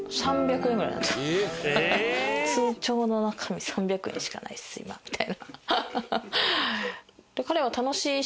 「通帳の中に３００円しかないっす今」みたいな。